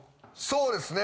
そうですね